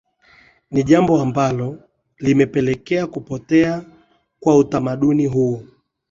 Ni jambo ambalo limepelekea kupotea kwa utamaduni huo